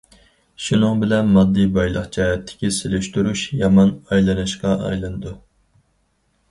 شۇنىڭ بىلەن، ماددىي بايلىق جەھەتتىكى سېلىشتۇرۇش يامان ئايلىنىشقا ئايلىنىدۇ.